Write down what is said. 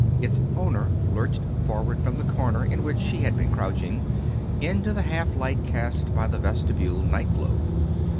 Its owner lurched forward from the corner in which she had been crouching, into the half light cast by the vestibule night globe.